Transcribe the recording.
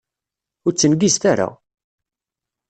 Ur ttengizet ara!